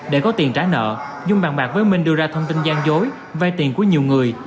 để có tiền trả nợ dung bàn bạc với minh đưa ra thông tin gian dối vay tiền của nhiều người